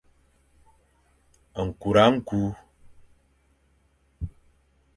Nkura nku.